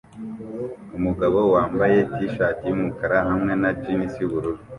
Umugabo wambaye t-shati yumukara hamwe na jeans yubururu